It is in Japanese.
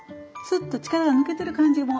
スッと力が抜けてる感じ。